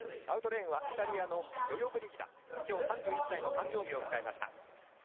アウトレーンはイタリアのロヨブリギダ、今日３１歳の誕生日を迎えました。